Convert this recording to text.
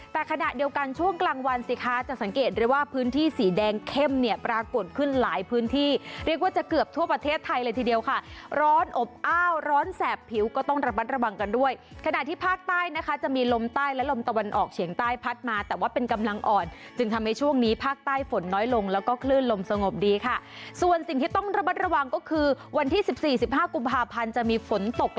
ทางวันสิคะจะสังเกตเลยว่าพื้นที่สีแดงเข้มเนี่ยปรากฏขึ้นหลายพื้นที่เรียกว่าจะเกือบทั่วประเทศไทยเลยทีเดียวค่ะร้อนอบอ้าวร้อนแสบผิวก็ต้องระบัดระวังกันด้วยขณะที่ภาคใต้นะคะจะมีลมใต้และลมตะวันออกเฉียงใต้พัดมาแต่ว่าเป็นกำลังอ่อนจึงทำให้ช่วงนี้ภาคใต้ฝนน้อยลงแล้วก